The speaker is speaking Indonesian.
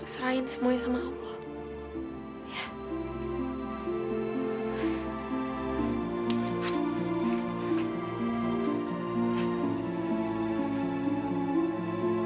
serahin semuanya sama allah